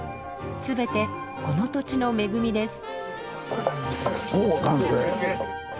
全てこの土地の恵みです。